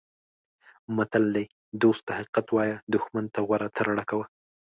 متل دی: دوست ته حقیقت وایه دوښمن ته غوره ترړه کوه.